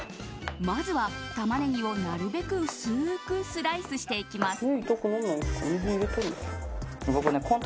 まずは、タマネギをなるべく薄くスライスしていきます。